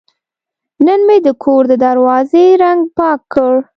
نن مې د کور د دروازې رنګ پاک کړ.